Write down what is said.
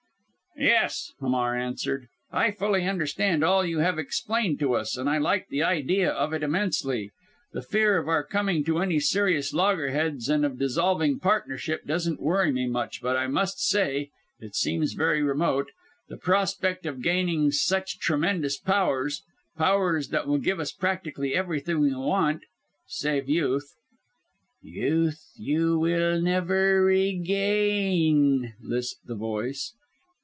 "Yes!" Hamar answered; "I fully understand all you have explained to us and I like the idea of it immensely. The fear of our coming to any serious loggerheads and of dissolving partnership doesn't worry me much but I must say, it seems very remote the prospect of gaining such tremendous powers powers that will give us practically everything we want save youth " "Youth you will never regain," lisped the voice.